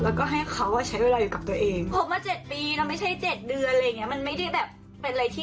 แล้วก็ให้เขาใช้เวลาอยู่กับตัวเองผมว่า๗ปีแล้วไม่ใช่๗เดือนอะไรอย่างนี้